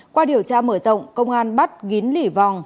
qua điều tra mở rộng công an bắt gín lỉ vòng